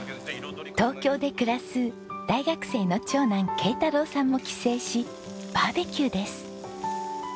東京で暮らす大学生の長男慶太郎さんも帰省しバーベキューです。